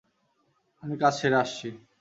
আমি কাজ সেরে আসছি।